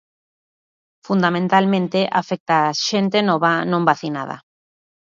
Fundamentalmente afecta a xente nova non vacinada.